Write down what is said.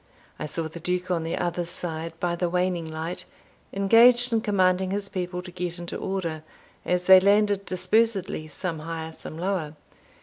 I saw the Duke on the other side, by the waning light, engaged in commanding his people to get into order, as they landed dispersedly, some higher, some lower.